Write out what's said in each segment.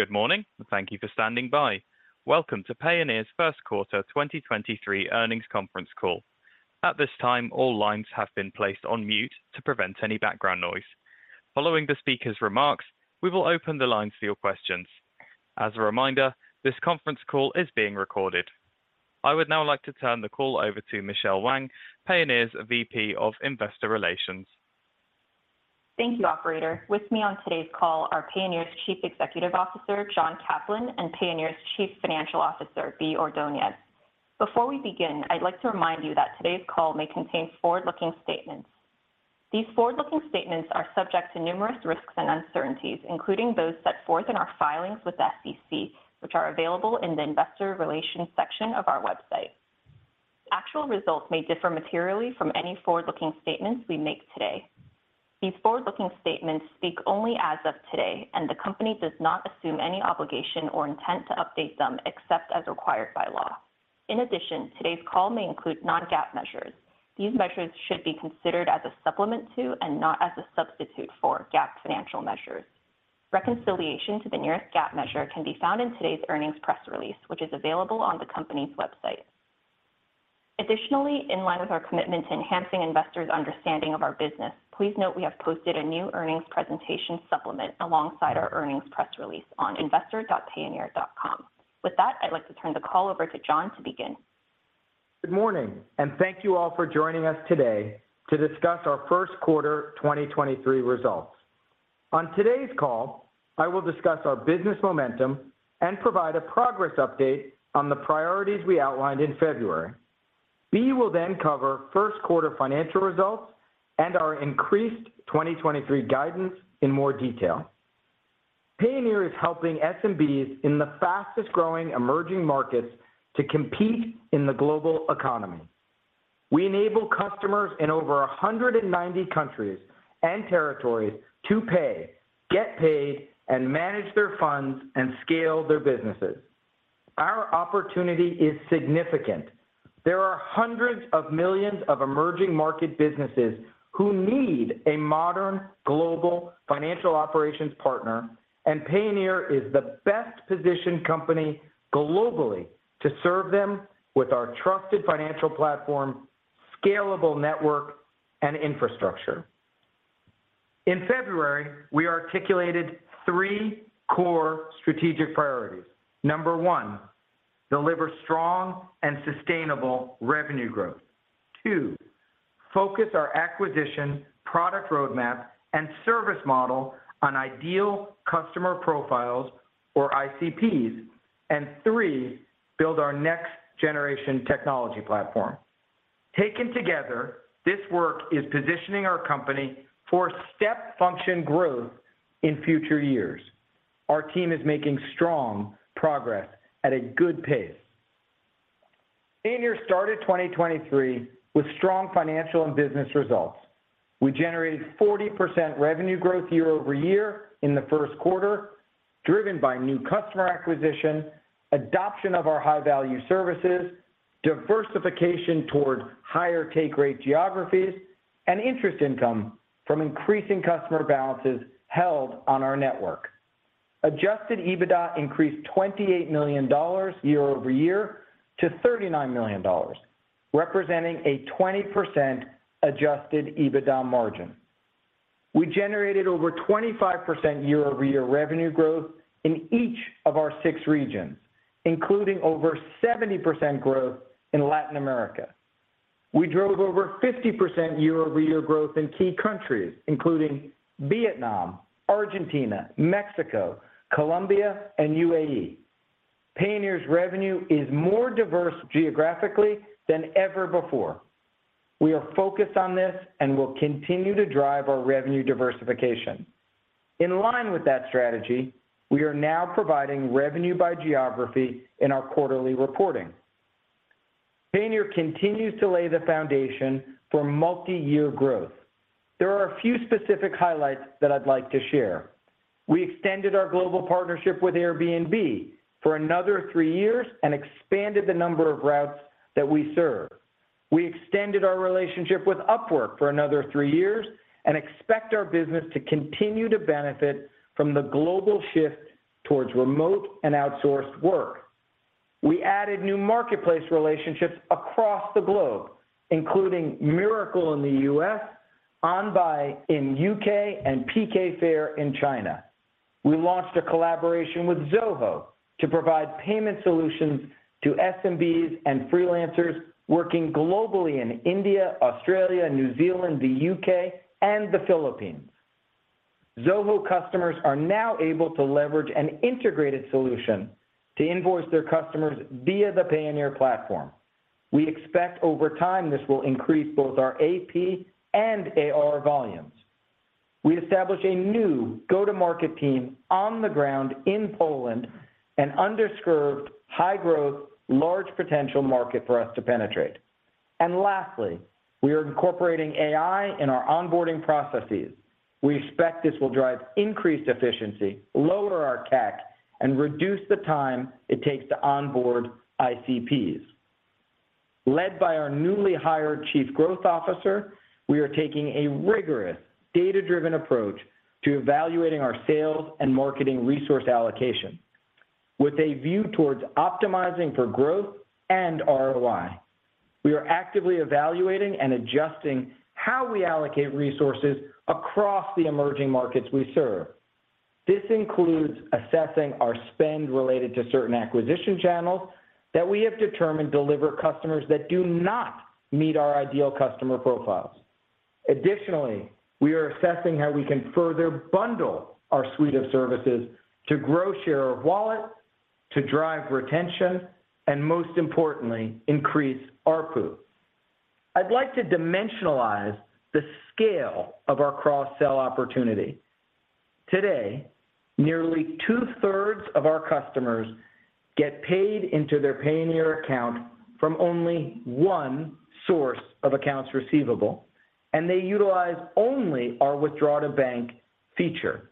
Good morning, and thank you for standing by. Welcome to Payoneer's first quarter 2023 earnings conference call. At this time, all lines have been placed on mute to prevent any background noise. Following the speaker's remarks, we will open the lines for your questions. As a reminder, this conference call is being recorded. I would now like to turn the call over to Michelle Wang, Payoneer's VP of Investor Relations. Thank you, operator. With me on today's call are Payoneer's Chief Executive Officer, John Caplan, and Payoneer's Chief Financial Officer, Bea Ordonez. Before we begin, I'd like to remind you that today's call may contain forward-looking statements. These forward-looking statements are subject to numerous risks and uncertainties, including those set forth in our filings with the SEC, which are available in the investor relations section of our website. Actual results may differ materially from any forward-looking statements we make today. These forward-looking statements speak only as of today, and the company does not assume any obligation or intent to update them except as required by law. In addition, today's call may include non-GAAP measures. These measures should be considered as a supplement to and not as a substitute for GAAP financial measures. Reconciliation to the nearest GAAP measure can be found in today's earnings press release, which is available on the company's website. Additionally, in line with our commitment to enhancing investors' understanding of our business, please note we have posted a new earnings presentation supplement alongside our earnings press release on investor.payoneer.com. With that, I'd like to turn the call over to John to begin. Good morning, thank you all for joining us today to discuss our first quarter 2023 results. On today's call, I will discuss our business momentum and provide a progress update on the priorities we outlined in February. Bea will then cover first quarter financial results and our increased 2023 guidance in more detail. Payoneer is helping SMBs in the fastest-growing emerging markets to compete in the global economy. We enable customers in over 190 countries and territories to pay, get paid, and manage their funds and scale their businesses. Our opportunity is significant. There are hundreds of millions of emerging market businesses who need a modern global financial operations partner, and Payoneer is the best-positioned company globally to serve them with our trusted financial platform, scalable network, and infrastructure. In February, we articulated three core strategic priorities. Number one, deliver strong and sustainable revenue growth. Two, focus our acquisition, product roadmap, and service model on ideal customer profiles or ICPs and three, build our next-generation technology platform. Taken together, this work is positioning our company for step function growth in future years. Our team is making strong progress at a good pace. Payoneer started 2023 with strong financial and business results. We generated 40% revenue growth year-over-year in the first quarter, driven by new customer acquisition, adoption of our high-value services, diversification toward higher take rate geographies, and interest income from increasing customer balances held on our network. Adjusted EBITDA increased $28 million year-over-year to $39 million, representing a 20% adjusted EBITDA margin. We generated over 25% year-over-year revenue growth in each of our six regions, including over 70% growth in Latin America. We drove over 50% year-over-year growth in key countries, including Vietnam, Argentina, Mexico, Colombia, and UAE. Payoneer's revenue is more diverse geographically than ever before. We are focused on this and will continue to drive our revenue diversification. In line with that strategy, we are now providing revenue by geography in our quarterly reporting. Payoneer continues to lay the foundation for multi-year growth. There are a few specific highlights that I'd like to share. We extended our global partnership with Airbnb for another three years and expanded the number of routes that we serve. We extended our relationship with Upwork for another three years and expect our business to continue to benefit from the global shift towards remote and outsourced work. We added new marketplace relationships across the globe, including Miracle in the U.S., OnBuy in U.K., and PKfair in China. We launched a collaboration with Zoho to provide payment solutions to SMBs and freelancers working globally in India, Australia, New Zealand, the U.K., and the Philippines. Zoho customers are now able to leverage an integrated solution to invoice their customers via the Payoneer platform. We expect over time this will increase both our AP and AR volumes. Lastly, we are incorporating AI in our onboarding processes. We expect this will drive increased efficiency, lower our CAC, and reduce the time it takes to onboard ICPs. Led by our newly hired Chief Growth Officer, we are taking a rigorous data-driven approach to evaluating our sales and marketing resource allocation with a view towards optimizing for growth and ROI. We are actively evaluating and adjusting how we allocate resources across the emerging markets we serve. This includes assessing our spend related to certain acquisition channels that we have determined deliver customers that do not meet our Ideal Customer Profiles. Additionally, we are assessing how we can further bundle our suite of services to grow share of wallet, to drive retention, and most importantly, increase ARPU. I'd like to dimensionalize the scale of our cross-sell opportunity. Today, nearly two-thirds of our customers get paid into their Payoneer account from only one source of accounts receivable, and they utilize only our withdraw to bank feature.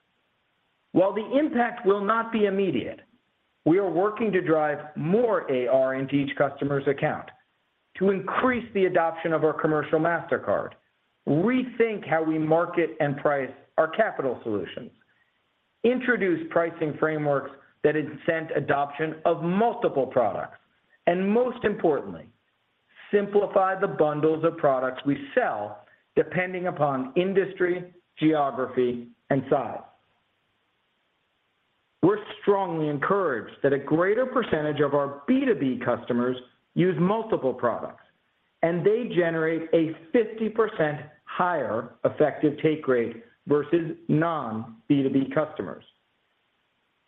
While the impact will not be immediate, we are working to drive more AR into each customer's account to increase the adoption of our commercial MasterCard, rethink how we market and price our capital solutions, introduce pricing frameworks that incent adoption of multiple products, and most importantly, simplify the bundles of products we sell depending upon industry, geography, and size. We're strongly encouraged that a greater percentage of our B2B customers use multiple products, and they generate a 50% higher effective take rate versus non-B2B customers.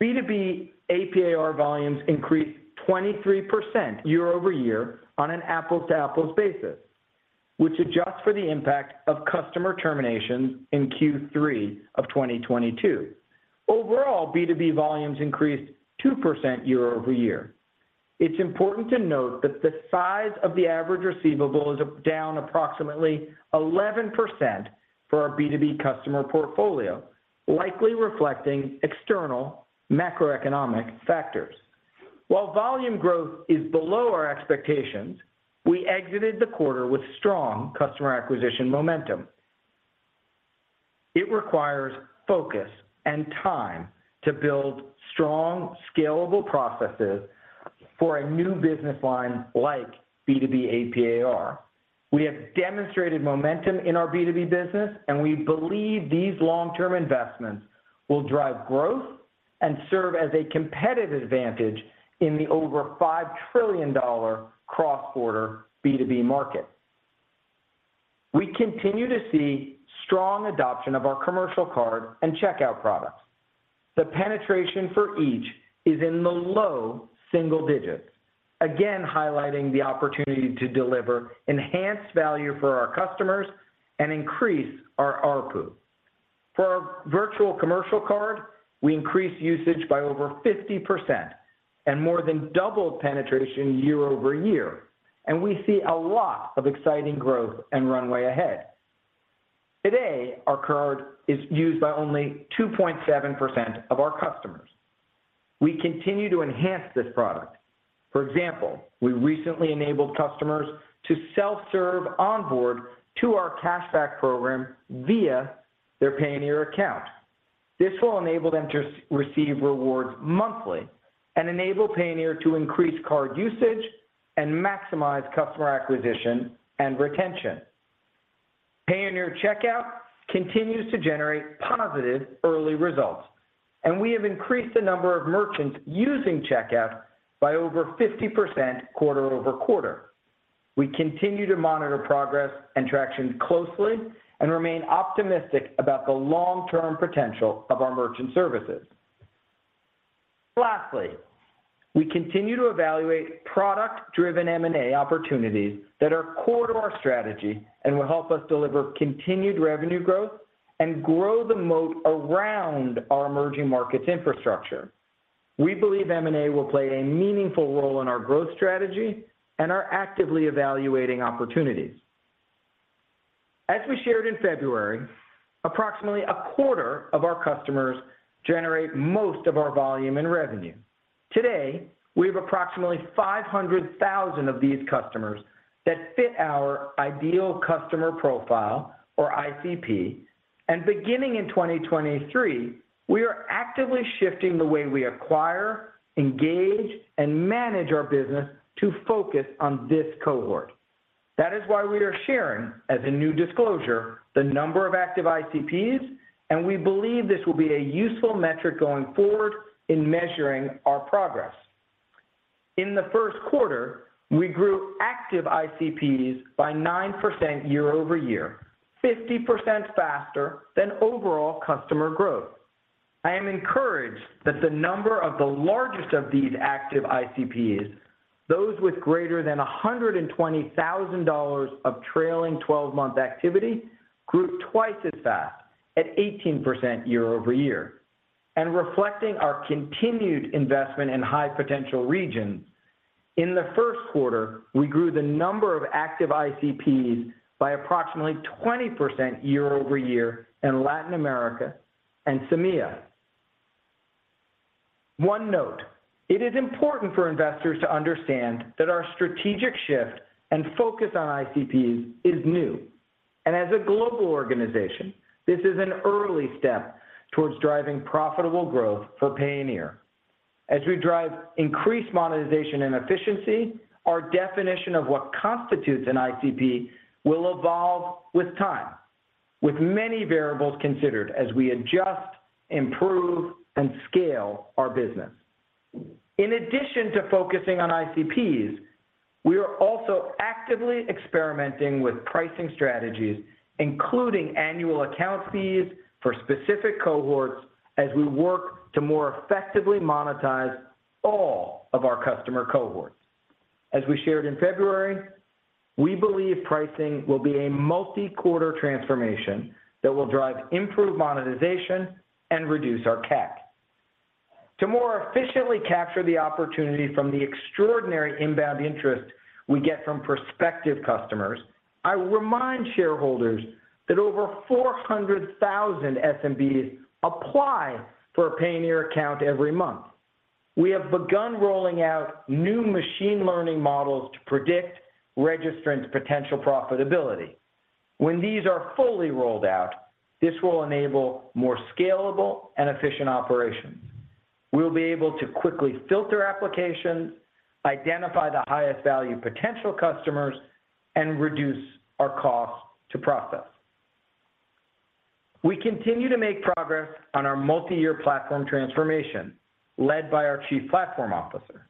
B2B AP/AR volumes increased 23% year-over-year on an apples-to-apples basis, which adjusts for the impact of customer terminations in Q3 of 2022. Overall, B2B volumes increased 2% year-over-year. It's important to note that the size of the average receivable is down approximately 11% for our B2B customer portfolio, likely reflecting external macroeconomic factors. While volume growth is below our expectations, we exited the quarter with strong customer acquisition momentum. It requires focus and time to build strong, scalable processes for a new business line like B2B AP/AR. We have demonstrated momentum in our B2B business, and we believe these long-term investments will drive growth and serve as a competitive advantage in the over $5 trillion cross-border B2B market. We continue to see strong adoption of our commercial card and checkout products. The penetration for each is in the low single digits, again highlighting the opportunity to deliver enhanced value for our customers and increase our ARPU. For our virtual commercial card, we increased usage by over 50% and more than doubled penetration year-over-year, and we see a lot of exciting growth and runway ahead. Today, our card is used by only 2.7% of our customers. We continue to enhance this product. For example, we recently enabled customers to self-serve onboard to our cashback program via their Payoneer account. This will enable them to receive rewards monthly and enable Payoneer to increase card usage and maximize customer acquisition and retention. Payoneer Checkout continues to generate positive early results, and we have increased the number of merchants using Checkout by over 50% quarter-over-quarter. We continue to monitor progress and traction closely and remain optimistic about the long-term potential of our merchant services. Lastly, we continue to evaluate product-driven M&A opportunities that are core to our strategy and will help us deliver continued revenue growth and grow the moat around our emerging markets infrastructure. We believe M&A will play a meaningful role in our growth strategy and are actively evaluating opportunities. As we shared in February, approximately a quarter of our customers generate most of our volume in revenue. Today, we have approximately 500,000 of these customers that fit our Ideal Customer Profile or ICP. Beginning in 2023, we are actively shifting the way we acquire, engage, and manage our business to focus on this cohort. That is why we are sharing as a new disclosure the number of active ICPs, and we believe this will be a useful metric going forward in measuring our progress. In the first quarter, we grew active ICPs by 9% year-over-year, 50% faster than overall customer growth. I am encouraged that the number of the largest of these active ICPs, those with greater than $120,000 of trailing twelve-month activity, grew twice as fast at 18% year-over-year. Reflecting our continued investment in high potential regions, in the first quarter, we grew the number of active ICPs by approximately 20% year-over-year in Latin America and MEA. One note it is important for investors to understand that our strategic shift and focus on ICPs is new. As a global organization, this is an early step towards driving profitable growth for Payoneer. As we drive increased monetization and efficiency, our definition of what constitutes an ICP will evolve with time with many variables considered as we adjust, improve and scale our business. In addition to focusing on ICPs, we are also actively experimenting with pricing strategies, including annual account fees for specific cohorts as we work to more effectively monetize all of our customer cohorts. As we shared in February, we believe pricing will be a multi-quarter transformation that will drive improved monetization and reduce our CAC. To more efficiently capture the opportunity from the extraordinary inbound interest we get from prospective customers, I will remind shareholders that over 400,000 SMBs apply for a Payoneer account every month. We have begun rolling out new machine learning models to predict registrants potential profitability. When these are fully rolled out, this will enable more scalable and efficient operations. We will be able to quickly filter applications, identify the highest value potential customers, and reduce our cost to process. We continue to make progress on our multi-year platform transformation led by our Chief Platform Officer.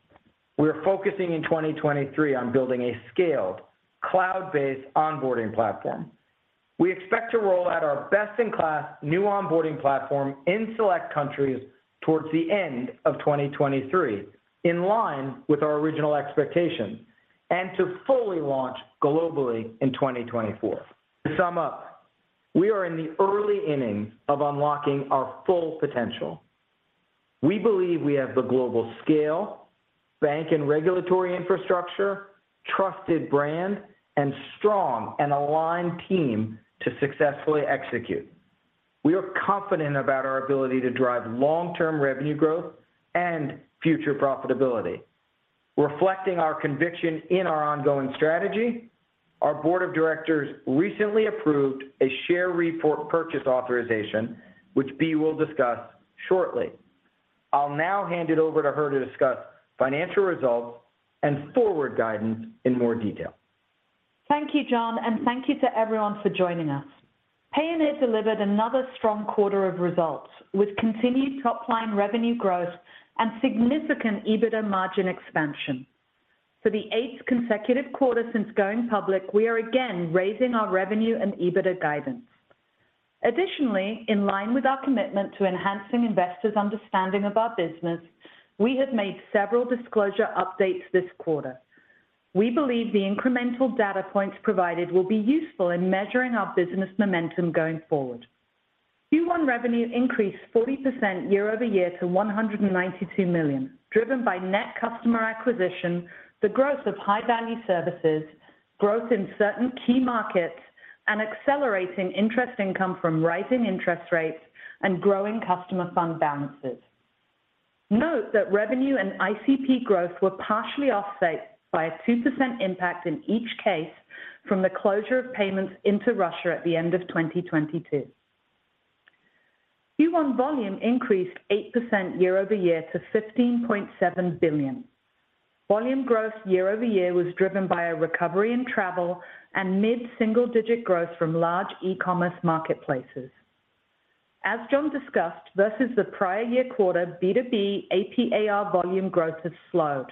We are focusing in 2023 on building a scaled cloud-based onboarding platform. We expect to roll out our best-in-class new onboarding platform in select countries towards the end of 2023, in line with our original expectations and to fully launch globally in 2024. To sum up, we are in the early innings of unlocking our full potential. We believe we have the global scale, bank and regulatory infrastructure, trusted brand and strong and aligned team to successfully execute. We are confident about our ability to drive long-term revenue growth and future profitability. Reflecting our conviction in our ongoing strategy, our board of directors recently approved a share repurchase authorization, which Bea will discuss shortly. I'll now hand it over to her to discuss financial results and forward guidance in more detail. Thank you, John, and thank you to everyone for joining us. Payoneer delivered another strong quarter of results with continued top line revenue growth and significant EBITDA margin expansion. For the eighth consecutive quarter since going public, we are again raising our revenue and EBITDA guidance. Additionally, in line with our commitment to enhancing investors understanding of our business, we have made several disclosure updates this quarter. We believe the incremental data points provided will be useful in measuring our business momentum going forward. Q1 revenue increased 40% year-over-year to $192 million, driven by net customer acquisition, the growth of high-value services, growth in certain key markets, and accelerating interest income from rising interest rates and growing customer fund balances. Note that revenue and ICP growth were partially offset by a 2% impact in each case from the closure of payments into Russia at the end of 2022. Q1 volume increased 8% year-over-year to $15.7 billion. Volume growth year-over-year was driven by a recovery in travel and mid-single digit growth from large e-commerce marketplaces. As John discussed versus the prior year quarter, B2B AP/AR volume growth has slowed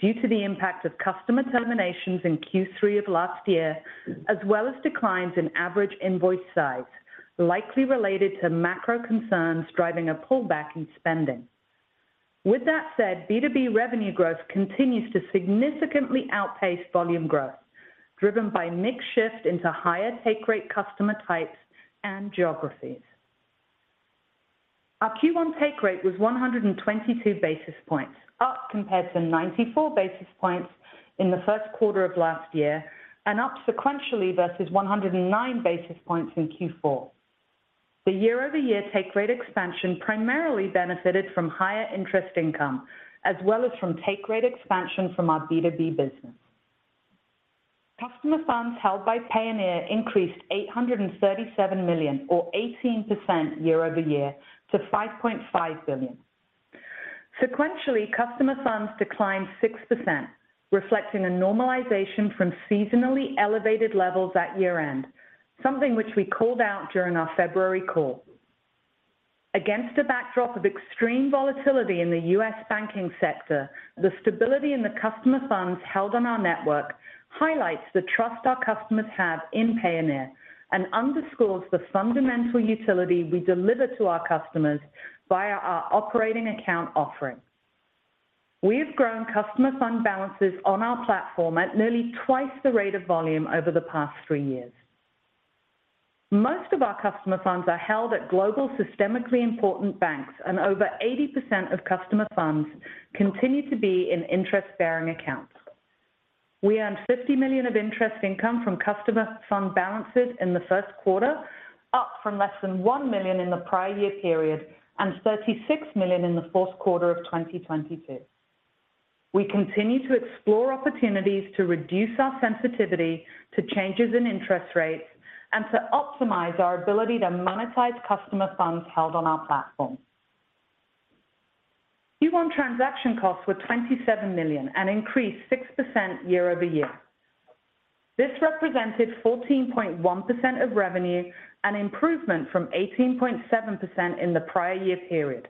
due to the impact of customer terminations in Q3 of last year, as well as declines in average invoice size, likely related to macro concerns driving a pullback in spending. With that said, B2B revenue growth continues to significantly outpace volume growth, driven by mix shift into higher take rate customer types and geographies. Our Q1 take rate was 122 basis points, up compared to 94 basis points in the first quarter of last year and up sequentially versus 109 basis points in Q4. The year-over-year take rate expansion primarily benefited from higher interest income as well as from take rate expansion from our B2B business. Customer funds held by Payoneer increased $837 million or 18% year-over-year to $5.5 billion. Sequentially, customer funds declined 6%, reflecting a normalization from seasonally elevated levels at year-end, something which we called out during our February call. Against a backdrop of extreme volatility in the U.S. banking sector, the stability in the customer funds held on our network highlights the trust our customers have in Payoneer and underscores the fundamental utility we deliver to our customers via our operating account offering. We have grown customer fund balances on our platform at nearly twice the rate of volume over the past three years. Most of our customer funds are held at global systemically important banks, and over 80% of customer funds continue to be in interest-bearing accounts. We earned $50 million of interest income from customer fund balances in the first quarter up from less than $1 million in the prior year period and $36 million in the fourth quarter of 2022. We continue to explore opportunities to reduce our sensitivity to changes in interest rates and to optimize our ability to monetize customer funds held on our platform. Q1 transaction costs were $27 million and increased 6% year-over-year. This represented 14.1% of revenue, an improvement from 18.7% in the prior year period,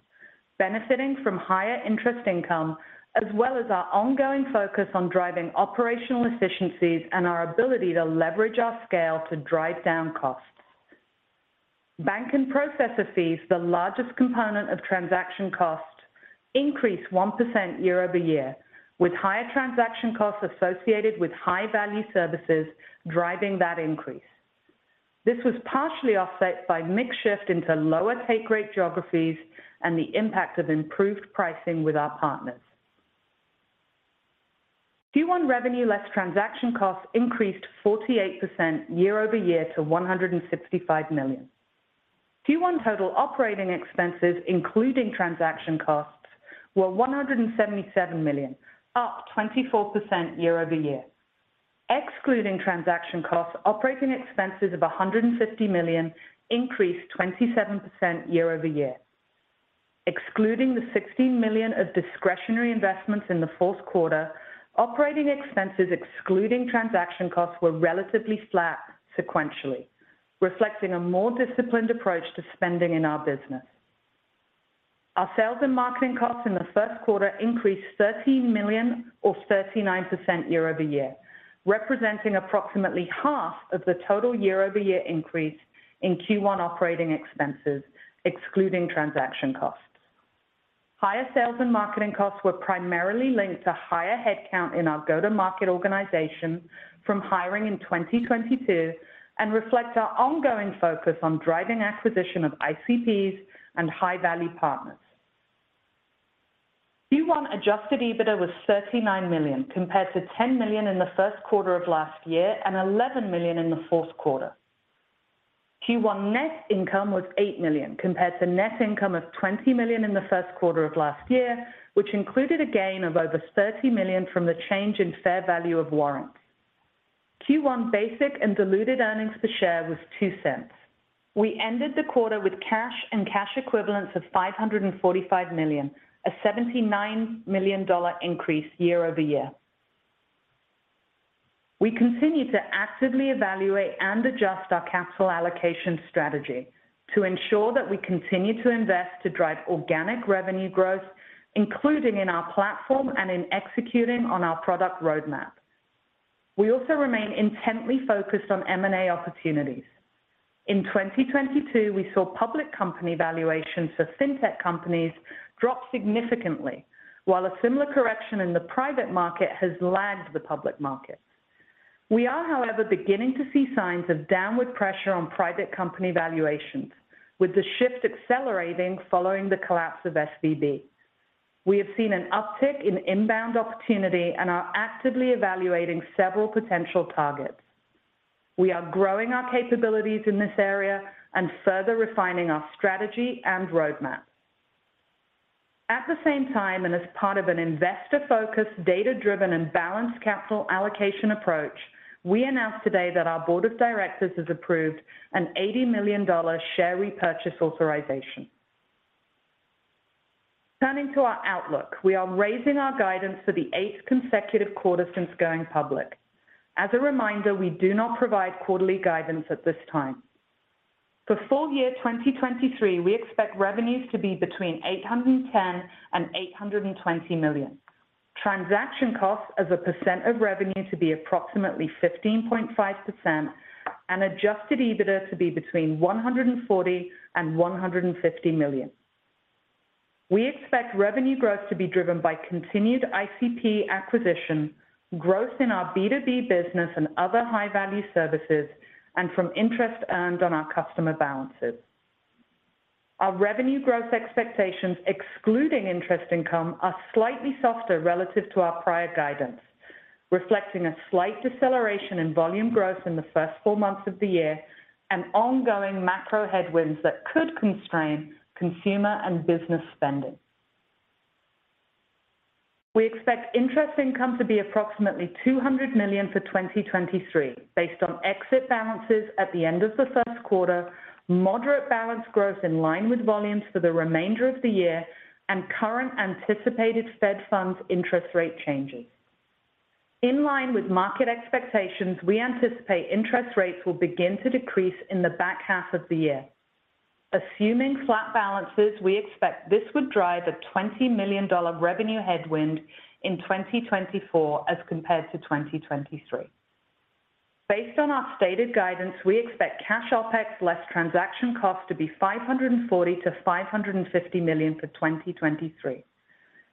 benefiting from higher interest income as well as our ongoing focus on driving operational efficiencies and our ability to leverage our scale to drive down costs. Bank and processor fees, the largest component of transaction costs, increased 1% year-over-year, with higher transaction costs associated with high-value services driving that increase. This was partially offset by mix shift into lower take rate geographies and the impact of improved pricing with our partners. Q1 revenue less transaction costs increased 48% year-over-year to $165 million. Q1 total operating expenses, including transaction costs, were $177 million, up 24% year-over-year. Excluding transaction costs, operating expenses of $150 million increased 27% year-over-year. Excluding the $16 million of discretionary investments in the fourth quarter, operating expenses excluding transaction costs were relatively flat sequentially, reflecting a more disciplined approach to spending in our business. Our sales and marketing costs in the first quarter increased $13 million or 39% year-over-year, representing approximately half of the total year-over-year increase in Q1 operating expenses excluding transaction costs. Higher sales and marketing costs were primarily linked to higher headcount in our go-to-market organization from hiring in 2022, and reflect our ongoing focus on driving acquisition of ICPs and high-value partners. Q1 adjusted EBITDA was $39 million compared to $10 million in the first quarter of last year and $11 million in the fourth quarter. Q1 net income was $8 million compared to net income of $20 million in the first quarter of last year, which included a gain of over $30 million from the change in fair value of warrants. Q1 basic and diluted earnings per share was $0.02. We ended the quarter with cash and cash equivalents of $545 million, a $79 million increase year-over-year. We continue to actively evaluate and adjust our capital allocation strategy to ensure that we continue to invest to drive organic revenue growth, including in our platform and in executing on our product roadmap. We also remain intently focused on M&A opportunities. In 2022, we saw public company valuations for fintech companies drop significantly while a similar correction in the private market has lagged the public market. We are, however, beginning to see signs of downward pressure on private company valuations, with the shift accelerating following the collapse of SVB. We have seen an uptick in inbound opportunity and are actively evaluating several potential targets. We are growing our capabilities in this area and further refining our strategy and roadmap. At the same time, and as part of an investor-focused, data-driven, and balanced capital allocation approach, we announced today that our board of directors has approved an $80 million share repurchase authorization. Turning to our outlook, we are raising our guidance for the eighth consecutive quarter since going public. As a reminder, we do not provide quarterly guidance at this time. For full year 2023, we expect revenues to be between $810 million and $820 million. Transaction costs as a percent of revenue to be approximately 15.5% and adjusted EBITDA to be between $140 million-$150 million. We expect revenue growth to be driven by continued ICP acquisition, growth in our B2B business and other high-value services, and from interest earned on our customer balances. Our revenue growth expectations, excluding interest income, are slightly softer relative to our prior guidance, reflecting a slight deceleration in volume growth in the first four months of the year and ongoing macro headwinds that could constrain consumer and business spending. We expect interest income to be approximately $200 million for 2023 based on exit balances at the end of the first quarter, moderate balance growth in line with volumes for the remainder of the year, and current anticipated Fed funds interest rate changes. In line with market expectations, we anticipate interest rates will begin to decrease in the back half of the year. Assuming flat balances, we expect this would drive a $20 million revenue headwind in 2024 as compared to 2023. Based on our stated guidance, we expect cash OpEx less transaction costs to be $540 million-$550 million for 2023.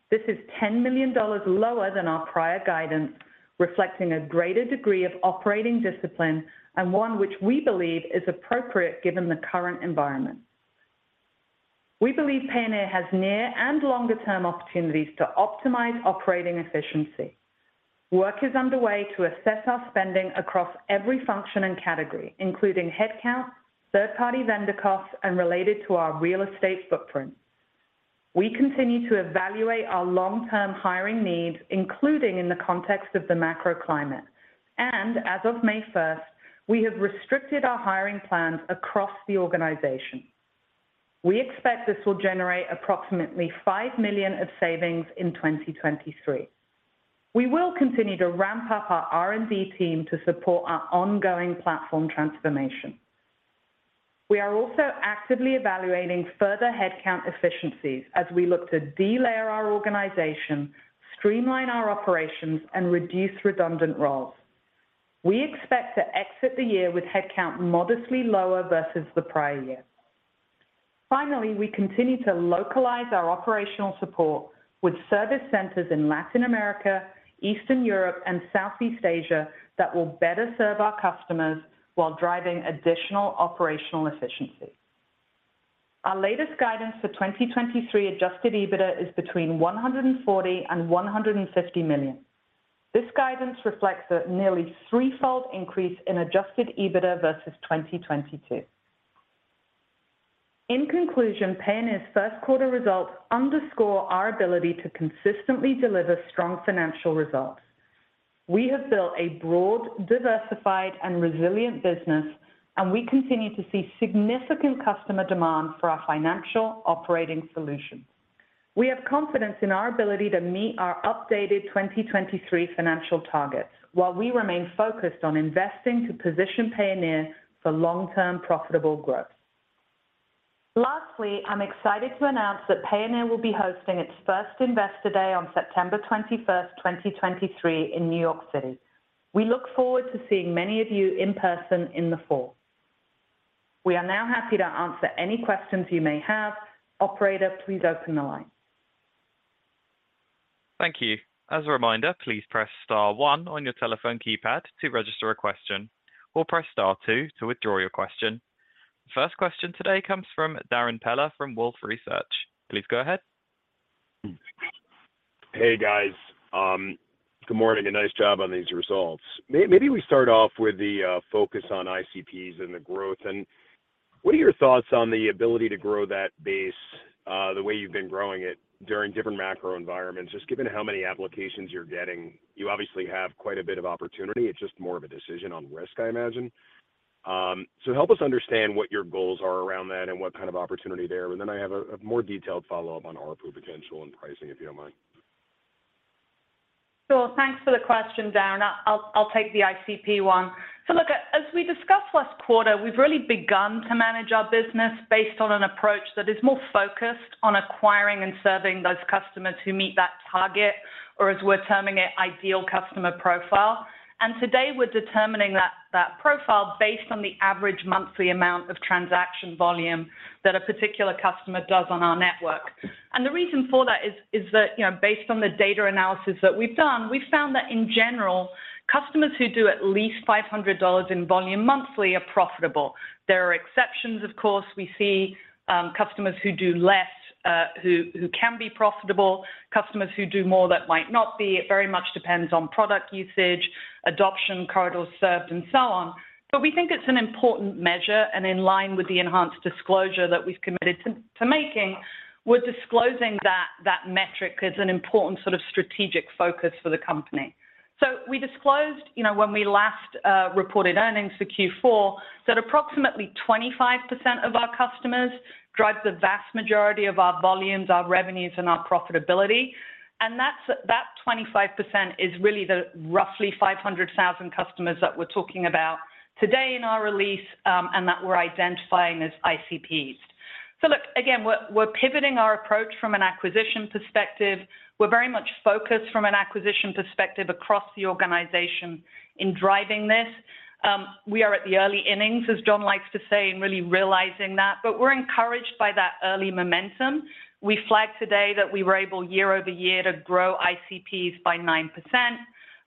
This is $10 million lower than our prior guidance, reflecting a greater degree of operating discipline and one which we believe is appropriate given the current environment. We believe Payoneer has near and longer term opportunities to optimize operating efficiency. Work is underway to assess our spending across every function and category, including headcount, third-party vendor costs, and related to our real estate footprint. We continue to evaluate our long-term hiring needs, including in the context of the macro climate. As of May 1st, we have restricted our hiring plans across the organization. We expect this will generate approximately $5 million of savings in 2023. We will continue to ramp up our R&D team to support our ongoing platform transformation. We are also actively evaluating further headcount efficiencies as we look to delayer our organization, streamline our operations, and reduce redundant roles. We expect to exit the year with headcount modestly lower versus the prior year. Finally, we continue to localize our operational support with service centers in Latin America, Eastern Europe, and Southeast Asia that will better serve our customers while driving additional operational efficiency. Our latest guidance for 2023 adjusted EBITDA is between $140 million and $150 million. This guidance reflects a nearly threefold increase in adjusted EBITDA versus 2022. In conclusion, Payoneer's first quarter results underscore our ability to consistently deliver strong financial results. We have built a broad, diversified and resilient business, and we continue to see significant customer demand for our financial operating solution. We have confidence in our ability to meet our updated 2023 financial targets while we remain focused on investing to position Payoneer for long-term profitable growth. Lastly, I'm excited to announce that Payoneer will be hosting its first Investor Day on September 21st, 2023 in New York City. We look forward to seeing many of you in person in the fall. We are now happy to answer any questions you may have. Operator, please open the line. Thank you. As a reminder, please press star one on your telephone keypad to register a question or press star two to withdraw your question. First question today comes from Darrin Peller from Wolfe Research. Please go ahead. Hey, guys. Good morning, and nice job on these results. Maybe we start off with the focus on ICPs and the growth, and what are your thoughts on the ability to grow that base, the way you've been growing it during different macro environments? Just given how many applications you're getting, you obviously have quite a bit of opportunity. It's just more of a decision on risk, I imagine. Help us understand what your goals are around that and what kind of opportunity there. I have a more detailed follow-up on ARPU potential and pricing, if you don't mind. Sure. Thanks for the question, Darrin. I'll take the ICP one. Look, as we discussed last quarter, we've really begun to manage our business based on an approach that is more focused on acquiring and serving those customers who meet that target, or as we're terming it, Ideal Customer Profile. Today we're determining that profile based on the average monthly amount of transaction volume that a particular customer does on our network. The reason for that is that, you know, based on the data analysis that we've done, we found that in general, customers who do at least $500 in volume monthly are profitable. There are exceptions, of course. We see customers who do less, who can be profitable, customers who do more that might not be. It very much depends on product usage, adoption, corridors served, and so on. We think it's an important measure, and in line with the enhanced disclosure that we've committed to making, we're disclosing that metric as an important sort of strategic focus for the company. We disclosed, when we last reported earnings for Q4, that approximately 25% of our customers drive the vast majority of our volumes, our revenues, and our profitability. That 25% is really the roughly 500,000 customers that we're talking about today in our release, and that we're identifying as ICPs. Look, again, we're pivoting our approach from an acquisition perspective. We're very much focused from an acquisition perspective across the organization in driving this. We are at the early innings, as John likes to say, in really realizing that, but we're encouraged by that early momentum. We flagged today that we were able year-over-year to grow ICPs by 9%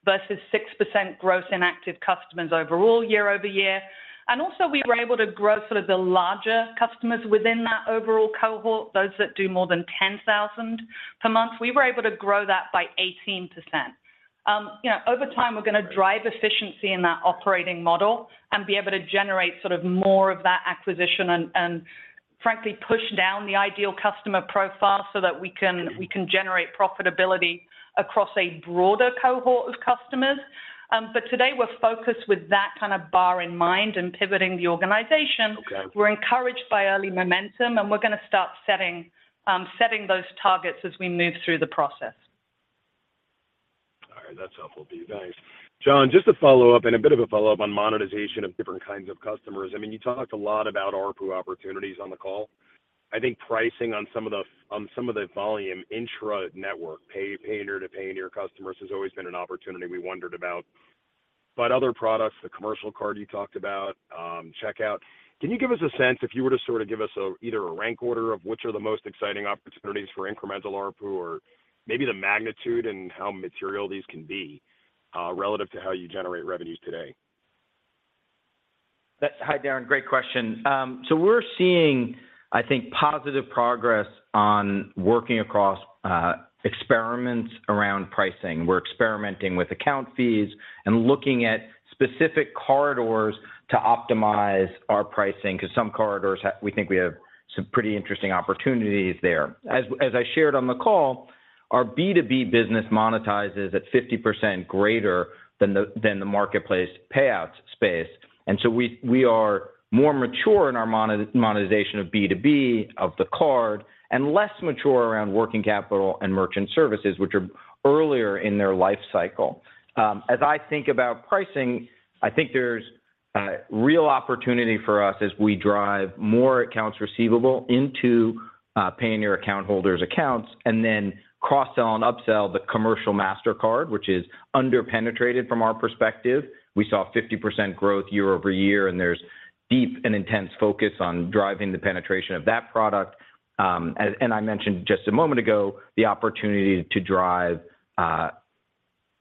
versus 6% gross inactive customers overall year-over-year. Also we were able to grow sort of the larger customers within that overall cohort, those that do more than 10,000 per month. We were able to grow that by 18%. You know, over time, we're going to drive efficiency in that operating model and be able to generate sort of more of that acquisition and frankly, push down the ideal customer profile so that we can generate profitability across a broader cohort of customers. Today we're focused with that kind of bar in mind and pivoting the organization. Okay. We're encouraged by early momentum, we're going to start setting those targets as we move through the process. All right. That's helpful to you. Thanks. John, just to follow up and a bit of a follow-up on monetization of different kinds of customers. I mean, you talked a lot about ARPU opportunities on the call. I think pricing on some of the volume intra-network, Payoneer-to-Payoneer customers has always been an opportunity we wondered about. Other products, the commercial card you talked about, Checkout. Can you give us either a rank order of which are the most exciting opportunities for incremental ARPU or maybe the magnitude and how material these can be relative to how you generate revenues today? Hi, Darrin. Great question. We're seeing, I think, positive progress on working across experiments around pricing. We're experimenting with account fees and looking at specific corridors to optimize our pricing because some corridors we think we have some pretty interesting opportunities there. As I shared on the call, our B2B business monetizes at 50% greater than the, than the marketplace payouts space. We, we are more mature in our monetization of B2B of the card and less mature around working capital and merchant services, which are earlier in their life cycle. I think about pricing, I think there's real opportunity for us as we drive more accounts receivable into Payoneer account holders accounts and then cross-sell and upsell the commercial MasterCard, which is under penetrated from our perspective. We saw 50% growth year-over-year. There's deep and intense focus on driving the penetration of that product. I mentioned just a moment ago, the opportunity to drive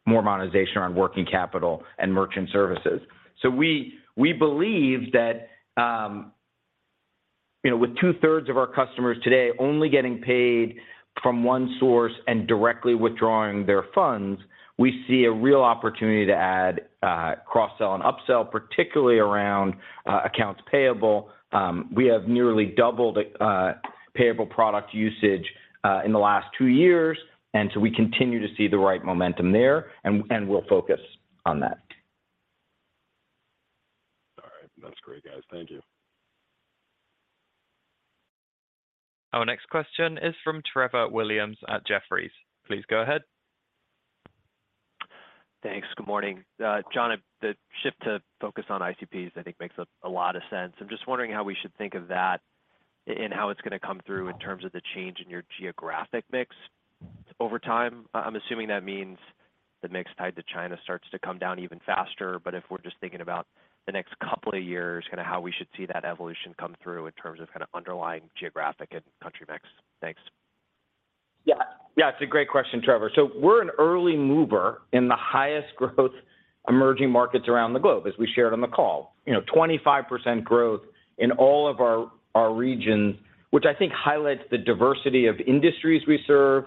more monetization around working capital and merchant services. We, we believe that, you know, with two-thirds of our customers today only getting paid from one source and directly withdrawing their funds, we see a real opportunity to add cross-sell and upsell, particularly around accounts payable. We have nearly doubled payable product usage in the last two years. We continue to see the right momentum there, and we'll focus on that. All right. That's great, guys. Thank you. Our next question is from Trevor Williams at Jefferies. Please go ahead. Thanks. Good morning. John, the shift to focus on ICPs, I think makes a lot of sense. I'm just wondering how we should think of that and how it's gonna come through in terms of the change in your geographic mix over time. I'm assuming that means the mix tied to China starts to come down even faster. If we're just thinking about the next couple of years, kinda how we should see that evolution come through in terms of kinda underlying geographic and country mix. Thanks. It's a great question, Trevor. We're an early mover in the highest growth emerging markets around the globe, as we shared on the call. You know, 25% growth in all of our regions, which I think highlights the diversity of industries we serve,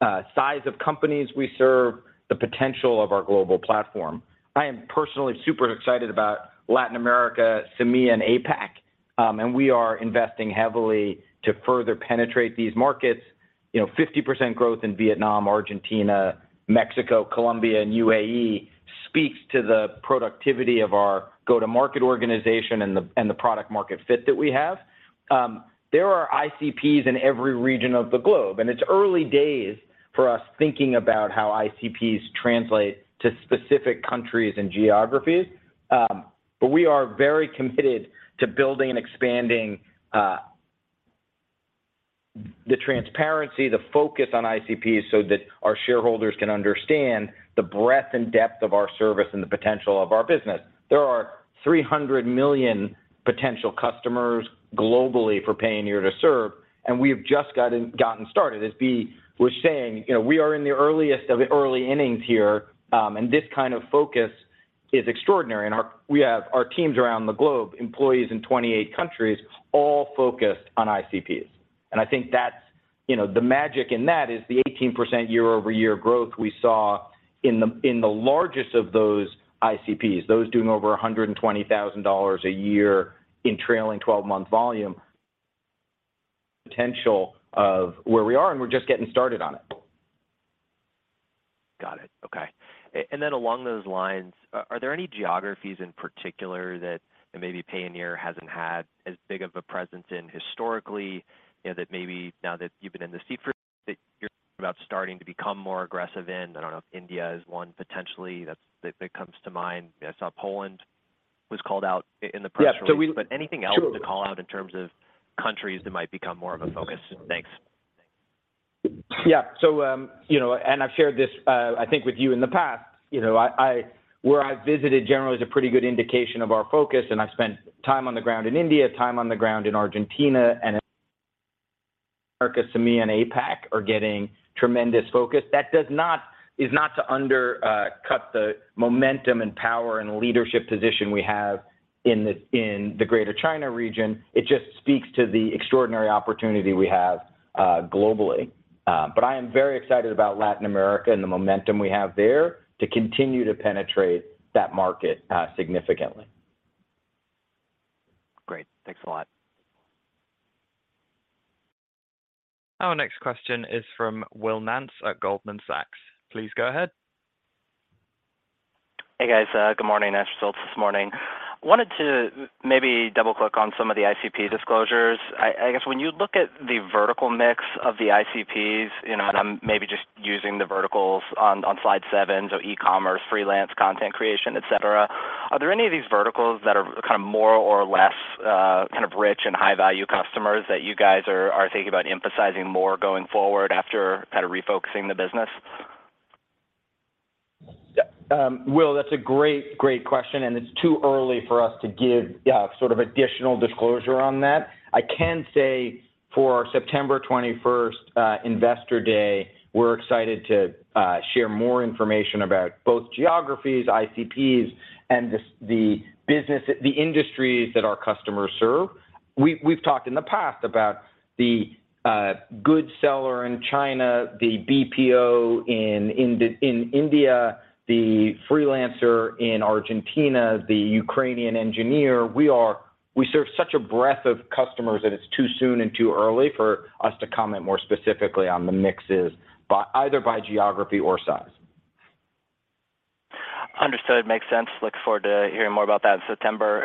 size of companies we serve, the potential of our global platform. I am personally super excited about Latin America, MEA, and APAC, and we are investing heavily to further penetrate these markets. You know, 50% growth in Vietnam, Argentina, Mexico, Colombia, and UAE speaks to the productivity of our go-to-market organization and the product market fit that we have. There are ICPs in every region of the globe, and it's early days for us thinking about how ICPs translate to specific countries and geographies. We are very committed to building and expanding the transparency, the focus on ICP so that our shareholders can understand the breadth and depth of our service and the potential of our business. There are 300 million potential customers globally for Payoneer to serve, we have just gotten started. As Bea was saying, you know, we are in the earliest of early innings here, this kind of focus is extraordinary. We have our teams around the globe, employees in 28 countries, all focused on ICPs. I think that's, you know, the magic in that is the 18% year-over-year growth we saw in the largest of those ICPs, those doing over $120,000 a year in trailing twelve-month volume. Potential of where we are, we're just getting started on it. Got it. Okay. Then along those lines, are there any geographies in particular that maybe Payoneer hasn't had as big of a presence in historically, you know, that maybe now that you've been in the seat for that you're about starting to become more aggressive in? I don't know if India is one potentially that comes to mind. I saw Poland was called out in the press release. Yeah. anything else- Sure to call out in terms of countries that might become more of a focus? Thanks. Yeah. You know, I've shared this, I think with you in the past. You know, where I've visited generally is a pretty good indication of our focus, and I've spent time on the ground in India, time on the ground in Argentina, and America, CEMEA, and APAC are getting tremendous focus. That is not to undercut the momentum and power and leadership position we have in the, in the Greater China region. It just speaks to the extraordinary opportunity we have globally. I am very excited about Latin America and the momentum we have there to continue to penetrate that market significantly. Great. Thanks a lot. Our next question is from Will Nance at Goldman Sachs. Please go ahead. Hey, guys. good morning. Thanks for the results this morning. Wanted to maybe double-click on some of the ICP disclosures. I guess when you look at the vertical mix of the ICPs, you know, and I'm maybe just using the verticals on slide seven, so e-commerce, freelance, content creation, et cetera, are there any of these verticals that are kind of more or less, kind of rich and high-value customers that you guys are thinking about emphasizing more going forward after kind of refocusing the business? Will, that's a great question, it's too early for us to give, yeah, sort of additional disclosure on that. I can say for our September 21st Investor Day, we're excited to share more information about both geographies, ICPs, and the business, the industries that our customers serve. We've talked in the past about the goods seller in China, the BPO in India, the freelancer in Argentina, the Ukrainian engineer. We serve such a breadth of customers that it's too soon and too early for us to comment more specifically on the mixes by, either by geography or size. Understood. Makes sense. Look forward to hearing more about that in September.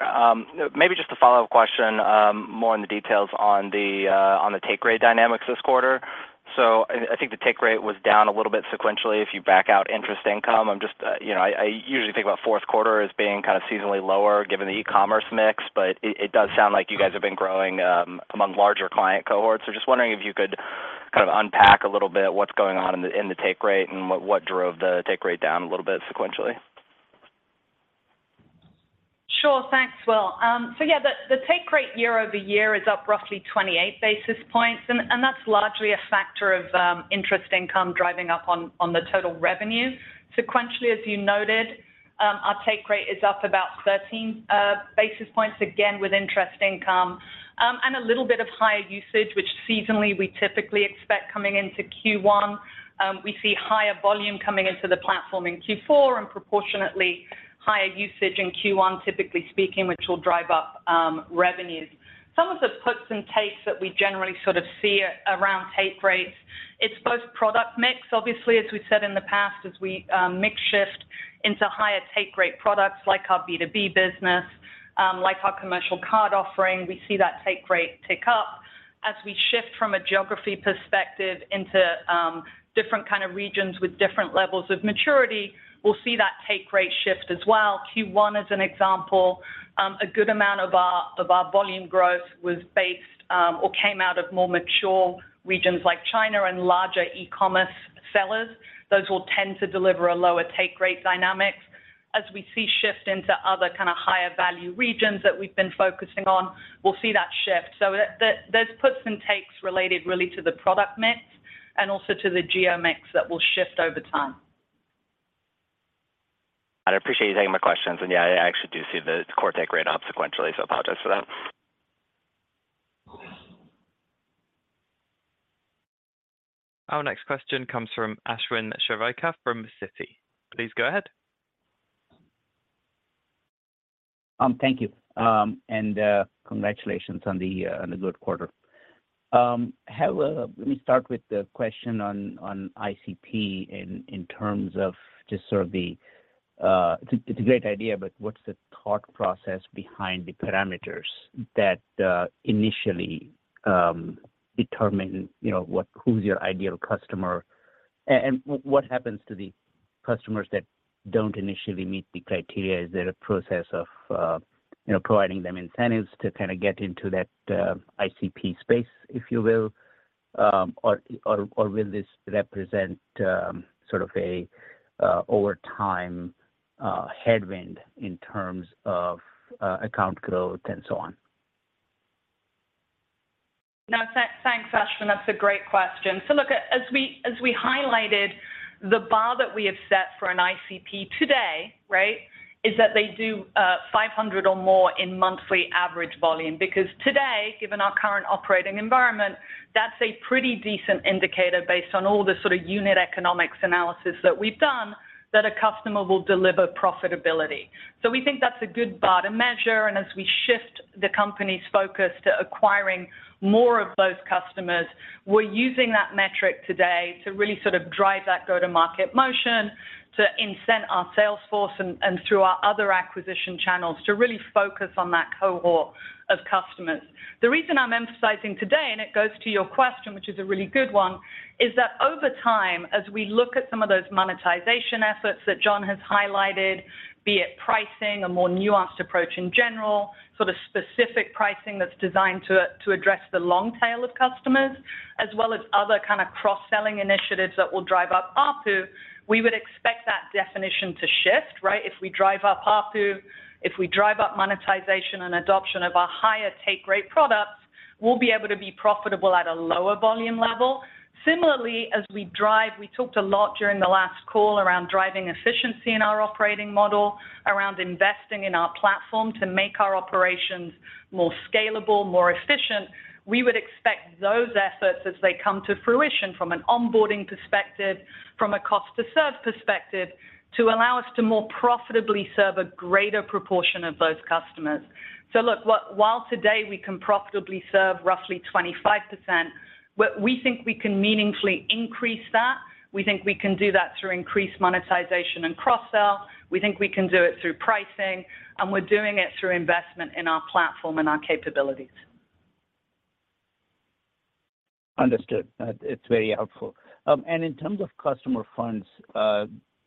Maybe just a follow-up question, more on the details on the take rate dynamics this quarter. I think the take rate was down a little bit sequentially if you back out interest income. I'm just, you know, I usually think about fourth quarter as being kind of seasonally lower given the e-commerce mix, but it does sound like you guys have been growing, among larger client cohorts. Just wondering if you could kind of unpack a little bit what's going on in the take rate and what drove the take rate down a little bit sequentially. Sure. Thanks, Will. Yeah, the take rate year-over-year is up roughly 28 basis points, and that's largely a factor of interest income driving up on the total revenue. Sequentially, as you noted, our take rate is up about 13 basis points, again, with interest income and a little bit of higher usage, which seasonally we typically expect coming into Q1. We see higher volume coming into the platform in Q4 and proportionately higher usage in Q1, typically speaking, which will drive up revenues. Some of the puts and takes that we generally sort of see around take rates, it's both product mix. Obviously, as we've said in the past, as we mix shift into higher take rate products like our B2B business, like our commercial card offering, we see that take rate tick up. As we shift from a geography perspective into different kind of regions with different levels of maturity, we'll see that take rate shift as well. Q1, as an example, a good amount of our, of our volume growth was based or came out of more mature regions like China and larger e-commerce sellers. Those will tend to deliver a lower take rate dynamic. As we see shift into other kind of higher value regions that we've been focusing on, we'll see that shift. There's puts and takes related really to the product mix and also to the geo mix that will shift over time. I appreciate you taking my questions. Yeah, I actually do see the core take rate up sequentially, so apologies for that. Our next question comes from Ashwin Shirvaikar from Citi. Please go ahead. Thank you. Congratulations on the good quarter. How, let me start with the question on ICP in terms of just sort of the, it's a, it's a great idea, but what's the thought process behind the parameters that initially determine, you know, who's your ideal customer? What happens to the customers that don't initially meet the criteria? Is there a process of, you know, providing them incentives to kinda get into that ICP space, if you will? Will this represent, sort of a, over time, headwind in terms of account growth and so on? Thanks, Ashwin. That's a great question. Look, as we highlighted, the bar that we have set for an ICP today, right, is that they do 500 or more in monthly average volume. Because today, given our current operating environment, that's a pretty decent indicator based on all the sort of unit economics analysis that we've done that a customer will deliver profitability. We think that's a good bar to measure. As we shift the company's focus to acquiring more of those customers, we're using that metric today to really sort of drive that go-to-market motion to incent our sales force and through our other acquisition channels to really focus on that cohort of customers. The reason I'm emphasizing today, and it goes to your question, which is a really good one, is that over time, as we look at some of those monetization efforts that John has highlighted, be it pricing, a more nuanced approach in general, sort of specific pricing that's designed to address the long tail of customers, as well as other kind of cross-selling initiatives that will drive up ARPU, we would expect that definition to shift, right? If we drive up ARPU, if we drive up monetization and adoption of our higher take rate products, we'll be able to be profitable at a lower volume level. Similarly, as we drive, we talked a lot during the last call around driving efficiency in our operating model, around investing in our platform to make our operations more scalable, more efficient. We would expect those efforts as they come to fruition from an onboarding perspective, from a cost to serve perspective, to allow us to more profitably serve a greater proportion of those customers. Look, while today we can profitably serve roughly 25%, we think we can meaningfully increase that, we think we can do that through increased monetization and cross-sell, we think we can do it through pricing, and we're doing it through investment in our platform and our capabilities. Understood. It's very helpful. In terms of customer funds,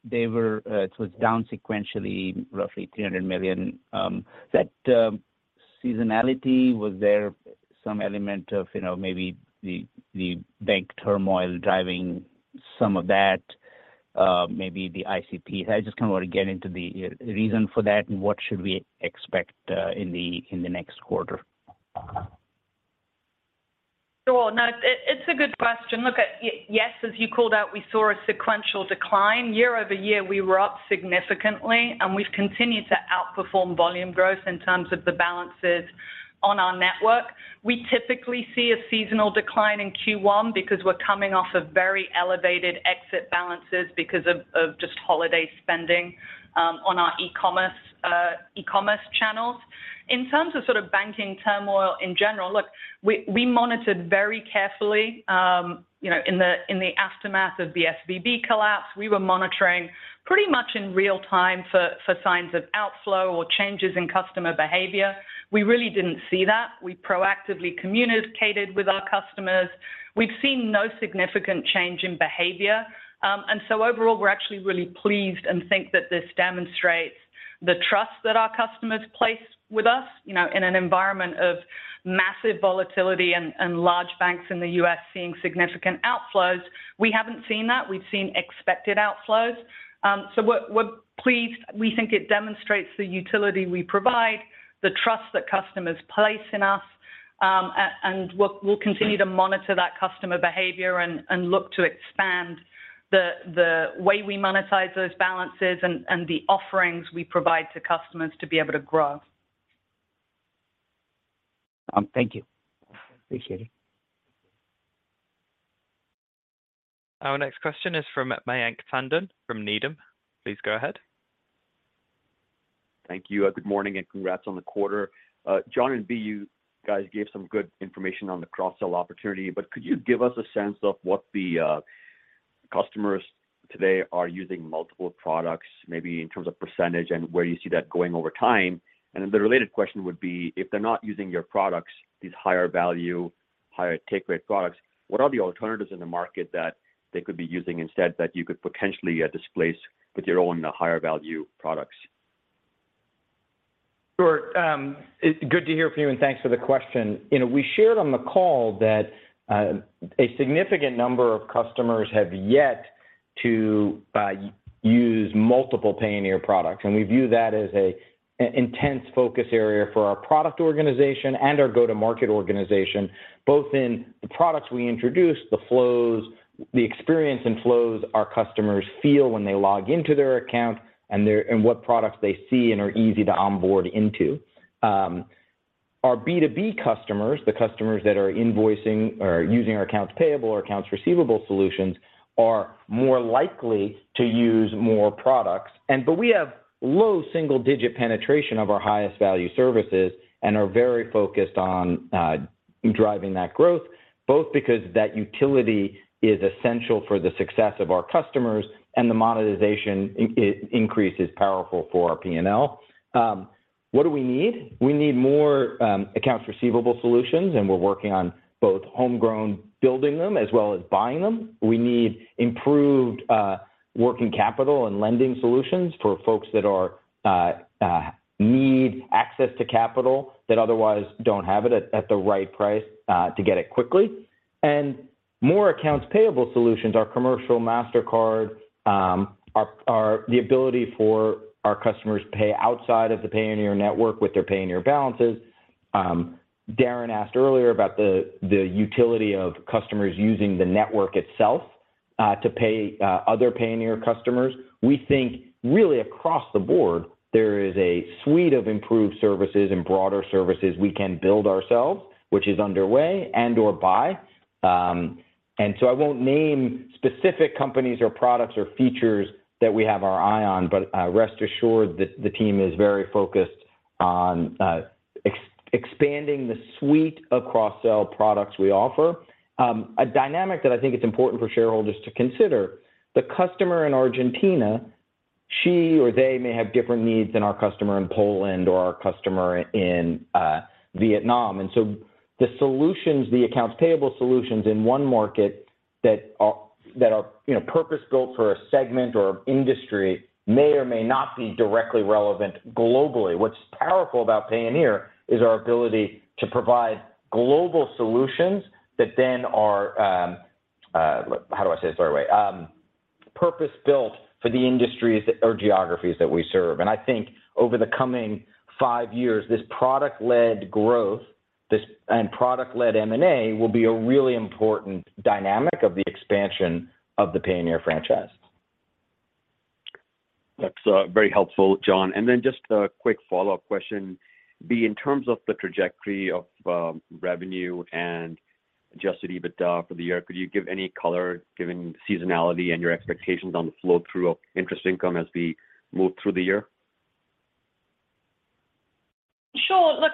they were, it was down sequentially roughly $300 million. Seasonality, was there some element of, you know, maybe the bank turmoil driving some of that? Maybe the ICP? I just kind of want to get into the reason for that and what should we expect in the next quarter? Sure. It's a good question. Yes, as you called out, we saw a sequential decline. Year-over-year, we were up significantly, and we've continued to outperform volume growth in terms of the balances on our network. We typically see a seasonal decline in Q1 because we're coming off of very elevated exit balances because of just holiday spending on our e-commerce, e-commerce channels. In terms of sort of banking turmoil in general, we monitored very carefully, you know, in the aftermath of the SVB collapse. We were monitoring pretty much in real time for signs of outflow or changes in customer behavior. We really didn't see that. We proactively communicated with our customers. We've seen no significant change in behavior. Overall, we're actually really pleased and think that this demonstrates the trust that our customers place with us. You know, in an environment of massive volatility and large banks in the U.S. seeing significant outflows, we haven't seen that. We've seen expected outflows. So we're pleased. We think it demonstrates the utility we provide, the trust that customers place in us. And we'll continue to monitor that customer behavior and look to expand the way we monetize those balances and the offerings we provide to customers to be able to grow. Thank you. Appreciate it. Our next question is from Mayank Tandon from Needham. Please go ahead. Thank you. Good morning, and congrats on the quarter. John and Bea, you guys gave some good information on the cross-sell opportunity, but could you give us a sense of what the customers today are using multiple products, maybe in terms of percentage and where you see that going over time? The related question would be, if they're not using your products, these higher value, higher take rate products, what are the alternatives in the market that they could be using instead that you could potentially displace with your own higher value products? Sure. Good to hear from you, and thanks for the question. You know, we shared on the call that a significant number of customers have yet to use multiple Payoneer products, and we view that as an intense focus area for our product organization and our go-to-market organization, both in the products we introduce, the flows, the experience and flows our customers feel when they log into their account and what products they see and are easy to onboard into. Our B2B customers, the customers that are invoicing or using our accounts payable or accounts receivable solutions, are more likely to use more products. We have low single digit penetration of our highest value services and are very focused on driving that growth, both because that utility is essential for the success of our customers and the monetization increase is powerful for our P&L. What do we need? We need more accounts receivable solutions, and we're working on both homegrown building them as well as buying them. We need improved working capital and lending solutions for folks that are need access to capital that otherwise don't have it at the right price to get it quickly. More accounts payable solutions. Our commercial MasterCard, our the ability for our customers to pay outside of the Payoneer network with their Payoneer balances. Darrin asked earlier about the utility of customers using the network itself to pay other Payoneer customers. We think really across the board, there is a suite of improved services and broader services we can build ourselves, which is underway and/or buy. I won't name specific companies or products or features that we have our eye on, but rest assured the team is very focused on expanding the suite of cross-sell products we offer. A dynamic that I think it's important for shareholders to consider, the customer in Argentina, she or they may have different needs than our customer in Poland or our customer in Vietnam. The solutions, the accounts payable solutions in one market that are, you know, purpose-built for a segment or industry may or may not be directly relevant globally. What's powerful about Payoneer is our ability to provide global solutions that then are, how do I say this the right way? Purpose-built for the industries or geographies that we serve. I think over the coming five years, this product-led growth, and product-led M&A will be a really important dynamic of the expansion of the Payoneer franchise. That's very helpful, John. Just a quick follow-up question. Bea, in terms of the trajectory of revenue and adjusted EBITDA for the year, could you give any color, given seasonality and your expectations on the flow-through of interest income as we move through the year? Sure. Look,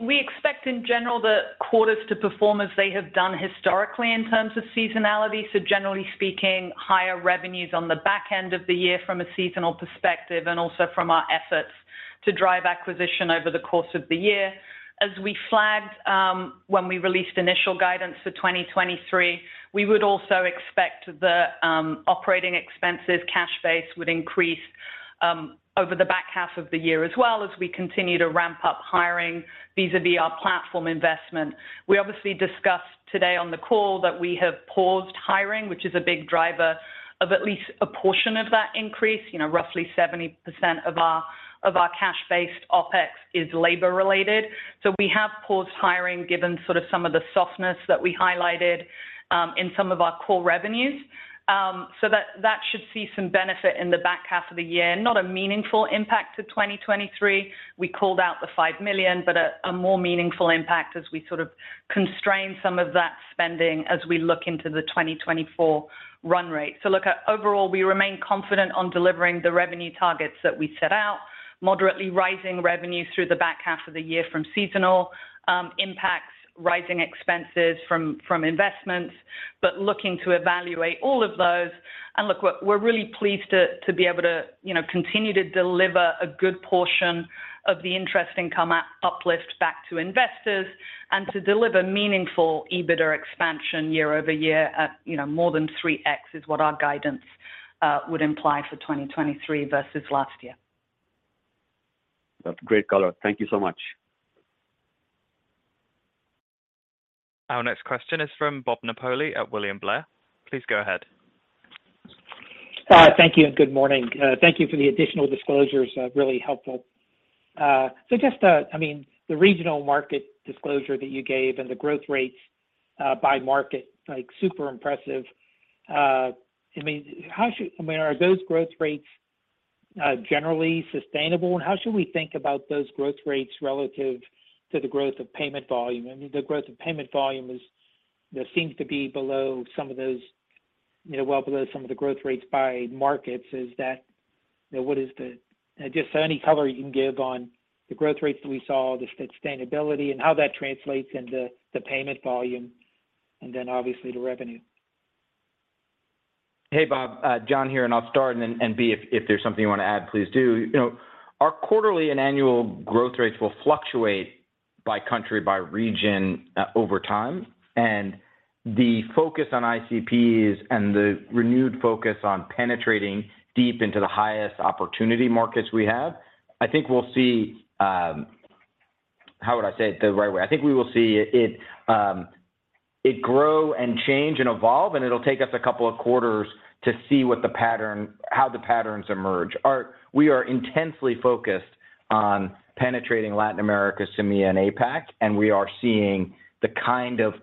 we expect in general the quarters to perform as they have done historically in terms of seasonality. Generally speaking, higher revenues on the back end of the year from a seasonal perspective and also from our efforts to drive acquisition over the course of the year. As we flagged, when we released initial guidance for 2023, we would also expect the operating expenses cash base would increase over the back half of the year as well as we continue to ramp up hiring vis-a-vis our platform investment. We obviously discussed today on the call that we have paused hiring, which is a big driver of at least a portion of that increase, you know, roughly 70% of our, of our cash-based OpEx is labor-related. We have paused hiring given sort of some of the softness that we highlighted, in some of our core revenues. That should see some benefit in the back half of the year. Not a meaningful impact to 2023. We called out the $5 million, but a more meaningful impact as we sort of constrain some of that spending as we look into the 2024 run rate. Look, overall, we remain confident on delivering the revenue targets that we set out, moderately rising revenues through the back half of the year from seasonal, impacts, rising expenses from investments, but looking to evaluate all of those. Look, we're really pleased to be able to, you know, continue to deliver a good portion of the interest income at uplift back to investors and to deliver meaningful EBITDA expansion year-over-year at, you know, more than 3x is what our guidance would imply for 2023 versus last year. That's great color. Thank you so much. Our next question is from Bob Napoli at William Blair. Please go ahead. Thank you and good morning. Thank you for the additional disclosures, really helpful. I mean, the regional market disclosure that you gave and the growth rates by market, like, super impressive. I mean, are those growth rates generally sustainable? How should we think about those growth rates relative to the growth of payment volume? I mean, the growth of payment volume is, you know, seems to be below some of those, you know, well below some of the growth rates by markets. You know, just any color you can give on the growth rates that we saw, the sustainability and how that translates into the payment volume and then obviously the revenue. Hey, Bob. John here, and I'll start, and then, Bea, if there's something you want to add, please do. You know, our quarterly and annual growth rates will fluctuate by country, by region, over time. The focus on ICPs and the renewed focus on penetrating deep into the highest opportunity markets we have, I think we'll see, how would I say it the right way? I think we will see it grow and change and evolve, and it'll take us a couple of quarters to see what the pattern, how the patterns emerge. We are intensely focused on penetrating Latin America, CEMEA, and APAC, and we are seeing the kind of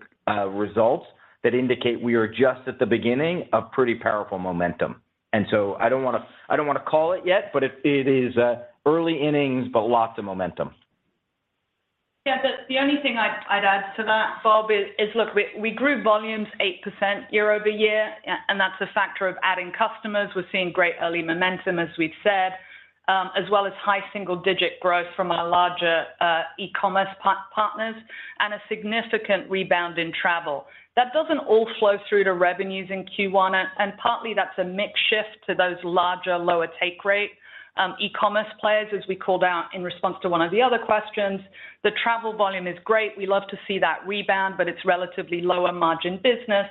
results that indicate we are just at the beginning of pretty powerful momentum. I don't wanna call it yet, but it is early innings. Lots of momentum. Yeah. The only thing I'd add to that, Bob, is look, we grew volumes 8% year-over-year. That's a factor of adding customers. We're seeing great early momentum, as we've said, as well as high single-digit growth from our larger e-commerce partners and a significant rebound in travel. That doesn't all flow through to revenues in Q1, and partly that's a mix shift to those larger, lower take rate e-commerce players, as we called out in response to one of the other questions. The travel volume is great. We love to see that rebound, but it's relatively lower margin business.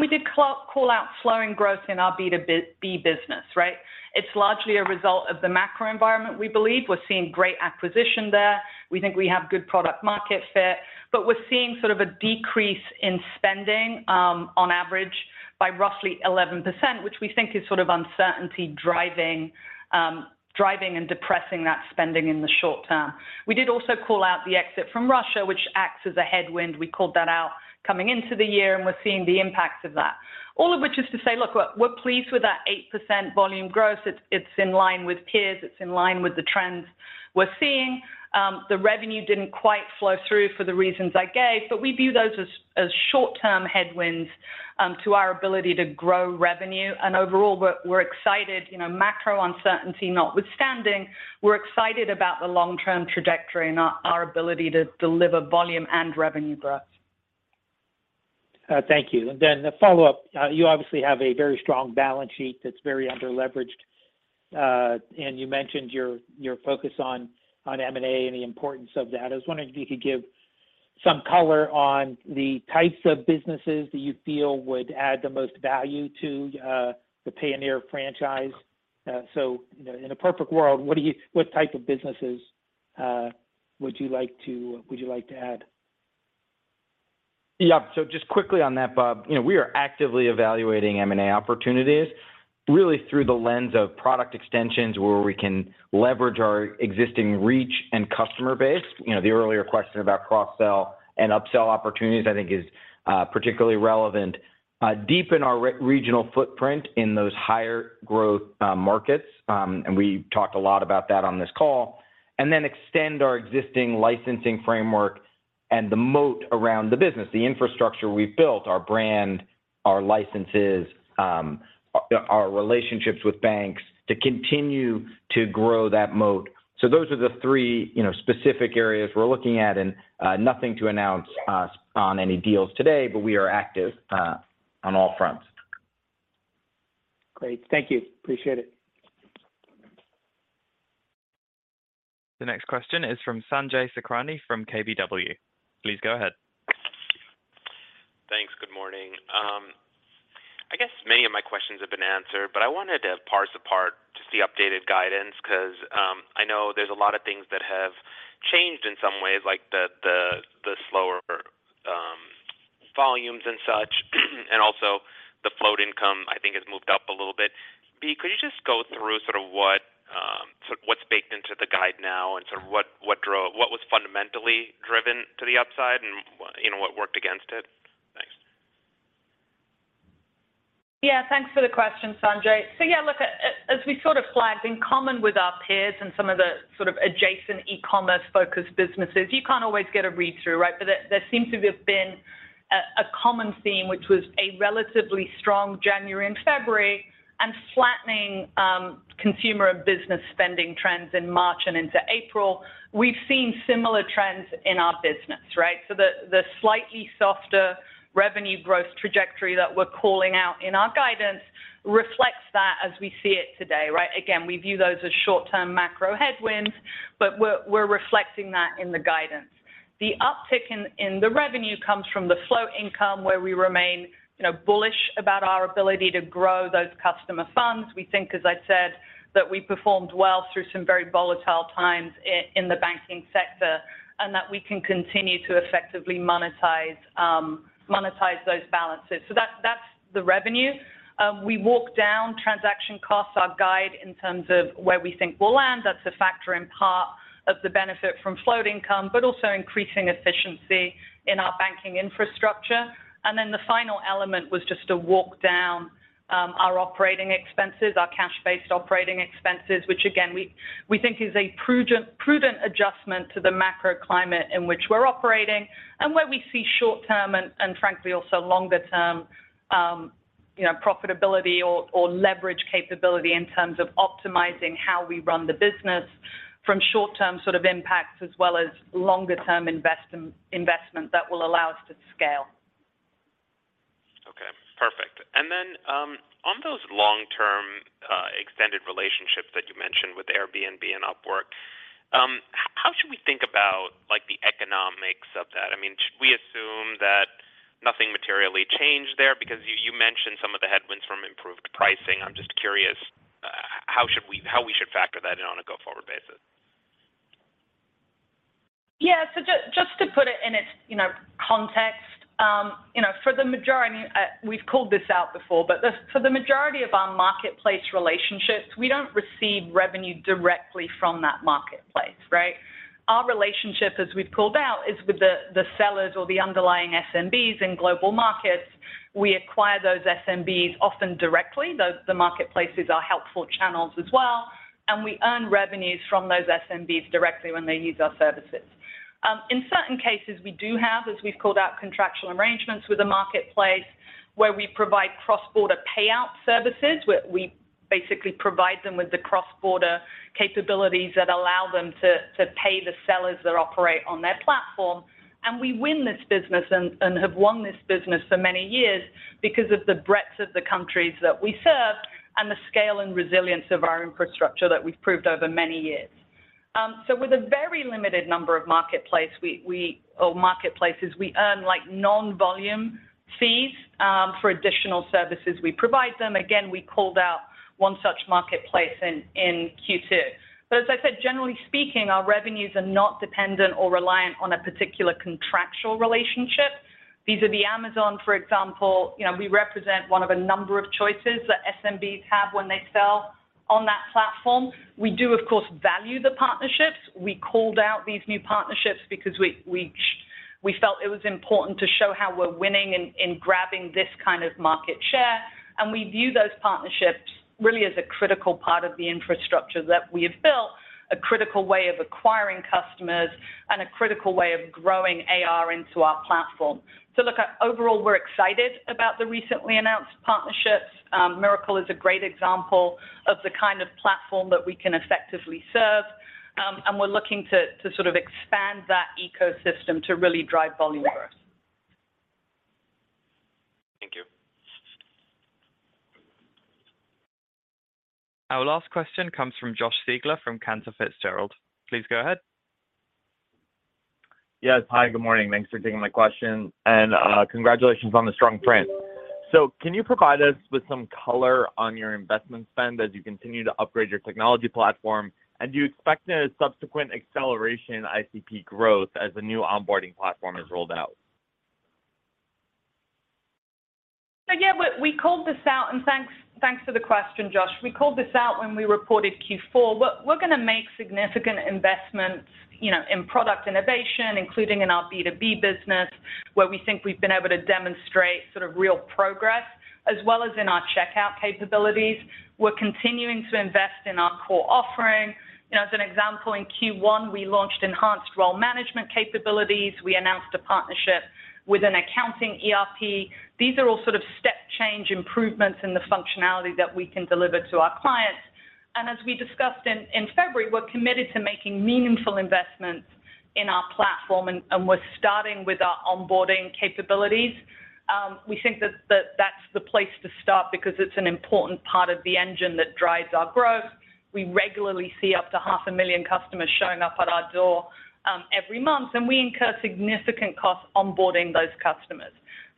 We did call out slowing growth in our B2B business, right? It's largely a result of the macro environment, we believe. We're seeing great acquisition there. We think we have good product market fit, but we're seeing sort of a decrease in spending, on average by roughly 11%, which we think is sort of uncertainty driving and depressing that spending in the short term. We did also call out the exit from Russia, which acts as a headwind. We called that out coming into the year, and we're seeing the impacts of that. All of which is to say, look, we're pleased with that 8% volume growth. It's in line with peers. It's in line with the trends we're seeing. The revenue didn't quite flow through for the reasons I gave, but we view those as short-term headwinds to our ability to grow revenue. Overall, we're excited. You know, macro uncertainty notwithstanding, we're excited about the long-term trajectory and our ability to deliver volume and revenue growth. Thank you. The follow-up, you obviously have a very strong balance sheet that's very underleveraged. You mentioned your focus on M&A and the importance of that. I was wondering if you could give some color on the types of businesses that you feel would add the most value to the Payoneer franchise. You know, in a perfect world, what type of businesses would you like to add? Yeah. Just quickly on that, Bob, you know, we are actively evaluating M&A opportunities really through the lens of product extensions where we can leverage our existing reach and customer base. You know, the earlier question about cross-sell and upsell opportunities, I think is particularly relevant. Deepen our re-regional footprint in those higher growth markets, and we talked a lot about that on this call. Extend our existing licensing framework and the moat around the business, the infrastructure we've built, our brand, our licenses, our relationships with banks to continue to grow that moat. Those are the three, you know, specific areas we're looking at, and nothing to announce on any deals today, but we are active on all fronts. Great. Thank you. Appreciate it. The next question is from Sanjay Sakhrani from KBW. Please go ahead. Thanks. Good morning. I guess many of my questions have been answered, but I wanted to parse apart just the updated guidance, 'cause, I know there's a lot of things that have changed in some ways, like the slower, volumes and such, and also the float income, I think, has moved up a little bit. Could you just go through sort of what, sort of what's baked into the guide now and sort of what was fundamentally driven to the upside and you know, what worked against it? Thanks. Yeah, thanks for the question, Sanjay. Yeah, look, as we sort of flagged in common with our peers and some of the sort of adjacent e-commerce focused businesses, you can't always get a read-through, right? There seems to have been a common theme which was a relatively strong January and February and flattening consumer and business spending trends in March and into April. We've seen similar trends in our business, right? The slightly softer revenue growth trajectory that we're calling out in our guidance reflects that as we see it today, right? Again, we view those as short-term macro headwinds, but we're reflecting that in the guidance. The uptick in the revenue comes from the float income where we remain, you know, bullish about our ability to grow those customer funds. We think, as I said, that we performed well through some very volatile times in the banking sector, and that we can continue to effectively monetize those balances. That's the revenue. We walked down transaction costs, our guide in terms of where we think we'll land. That's a factor in part of the benefit from float income, but also increasing efficiency in our banking infrastructure. The final element was just to walk down our operating expenses, our cash-based operating expenses, which again, we think is a prudent adjustment to the macro climate in which we're operating and where we see short term and frankly also longer term, you know, profitability or leverage capability in terms of optimizing how we run the business from short term sort of impacts as well as longer term investment that will allow us to scale. Perfect. On those long term extended relationships that you mentioned with Airbnb and Upwork, how should we think about, like the economics of that? I mean, we assume that nothing materially changed there because you mentioned some of the headwinds from improved pricing? I'm just curious, how we should factor that in on a go-forward basis? Just to put it in its, you know, context, you know, for the majority... I mean, we've called this out before, but for the majority of our marketplace relationships, we don't receive revenue directly from that marketplace, right? Our relationship, as we've called out, is with the sellers or the underlying SMBs in global markets. We acquire those SMBs often directly. Those marketplaces are helpful channels as well. We earn revenues from those SMBs directly when they use our services. In certain cases, we do have, as we've called out, contractual arrangements with the marketplace where we provide cross-border payout services, where we basically provide them with the cross-border capabilities that allow them to pay the sellers that operate on their platform. We win this business and have won this business for many years because of the breadth of the countries that we serve and the scale and resilience of our infrastructure that we've proved over many years. With a very limited number of marketplace, or marketplaces, we earn like non-volume fees, for additional services we provide them. Again, we called out one such marketplace in Q2. As I said, generally speaking, our revenues are not dependent or reliant on a particular contractual relationship. Visa versus Amazon, for example, you know, we represent one of a number of choices that SMBs have when they sell on that platform. We do, of course, value the partnerships. We called out these new partnerships because we felt it was important to show how we're winning in grabbing this kind of market share. We view those partnerships really as a critical part of the infrastructure that we have built, a critical way of acquiring customers and a critical way of growing AR into our platform. Look, overall, we're excited about the recently announced partnerships. Miracle is a great example of the kind of platform that we can effectively serve. We're looking to sort of expand that ecosystem to really drive volume growth. Thank you. Our last question comes from Josh Siegler from Cantor Fitzgerald. Please go ahead. Yes. Hi, good morning. Thanks for taking my question and congratulations on the strong print. Can you provide us with some color on your investment spend as you continue to upgrade your technology platform? Do you expect a subsequent acceleration in ICP growth as the new onboarding platform is rolled out? Yeah, we called this out, and thanks for the question, Josh. We called this out when we reported Q4. We're gonna make significant investments, you know, in product innovation, including in our B2B business, where we think we've been able to demonstrate sort of real progress, as well as in our checkout capabilities. We're continuing to invest in our core offering. You know, as an example, in Q1, we launched enhanced role management capabilities. We announced a partnership with an accounting ERP. These are all sort of step change improvements in the functionality that we can deliver to our clients. As we discussed in February, we're committed to making meaningful investments in our platform and we're starting with our onboarding capabilities. We think that that's the place to start because it's an important part of the engine that drives our growth. We regularly see up to half a million customers showing up at our door every month. We incur significant costs onboarding those customers.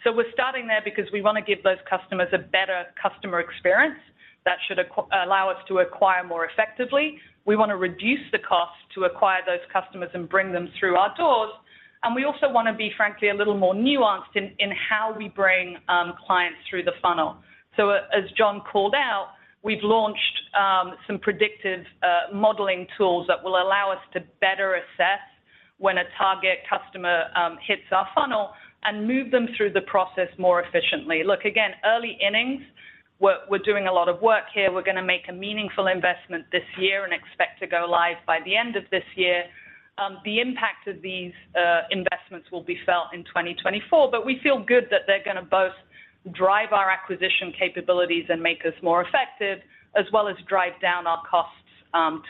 We're starting there because we wanna give those customers a better customer experience that should allow us to acquire more effectively. We wanna reduce the cost to acquire those customers and bring them through our doors. We also wanna be, frankly, a little more nuanced in how we bring clients through the funnel. As John called out, we've launched some predictive modeling tools that will allow us to better assess when a target customer hits our funnel and move them through the process more efficiently. Look, again, early innings. We're doing a lot of work here. We're gonna make a meaningful investment this year and expect to go live by the end of this year. The impact of these investments will be felt in 2024, but we feel good that they're gonna both drive our acquisition capabilities and make us more effective, as well as drive down our costs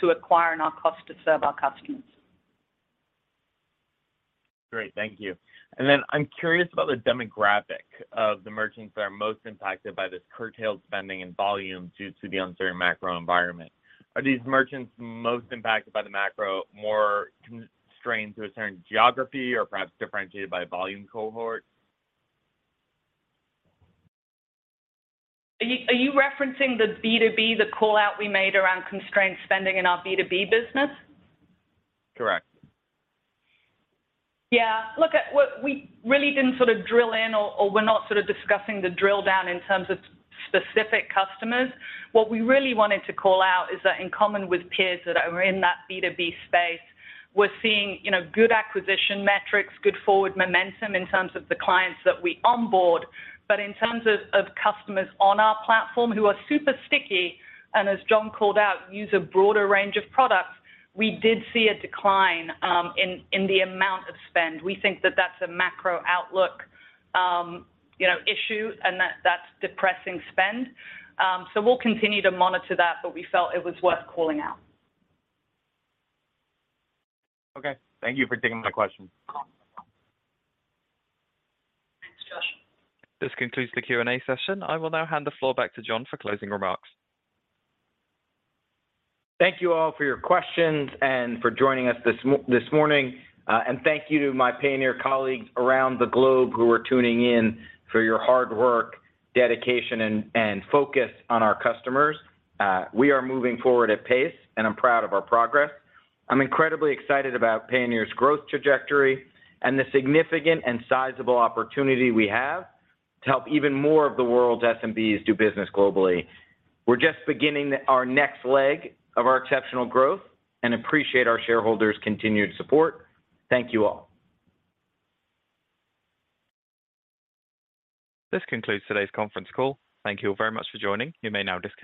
to acquire and our cost to serve our customers. Great. Thank you. Then I'm curious about the demographic of the merchants that are most impacted by this curtailed spending and volume due to the uncertain macro environment. Are these merchants most impacted by the macro more constrained to a certain geography or perhaps differentiated by volume cohort? Are you referencing the B2B, the call-out we made around constrained spending in our B2B business? Correct. Yeah. Look, at what we really didn't sort of drill in or we're not sort of discussing the drill down in terms of specific customers. What we really wanted to call out is that in common with peers that are in that B2B space, we're seeing, you know, good acquisition metrics, good forward momentum in terms of the clients that we onboard. In terms of customers on our platform who are super sticky and as John called out, use a broader range of products, we did see a decline in the amount of spend. We think that that's a macro outlook, you know, issue, and that's depressing spend. We'll continue to monitor that, but we felt it was worth calling out. Okay. Thank you for taking my question. Thanks, Josh. This concludes the Q&A session. I will now hand the floor back to John for closing remarks. Thank you all for your questions and for joining us this morning. Thank you to my Payoneer colleagues around the globe who are tuning in for your hard work, dedication, and focus on our customers. We are moving forward at pace, and I'm proud of our progress. I'm incredibly excited about Payoneer's growth trajectory and the significant and sizable opportunity we have to help even more of the world's SMBs do business globally. We're just beginning our next leg of our exceptional growth and appreciate our shareholders' continued support. Thank you all. This concludes today's conference call. Thank you very much for joining. You may now disconnect.